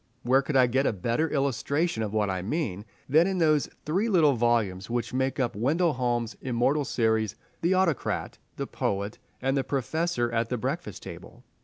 Where could I get better illustration of what I mean than in those three little volumes which make up Wendell Holmes' immortal series, "The Autocrat," "The Poet," and "The Professor at the Breakfast Table"?